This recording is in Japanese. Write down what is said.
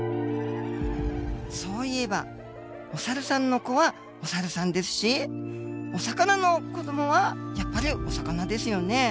そういえばおサルさんの子はおサルさんですしお魚の子どもはやっぱりお魚ですよね。